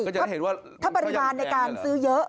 จะเห็นว่าถ้าปริมาณในการซื้อเยอะ